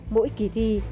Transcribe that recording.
mỗi kỳ thi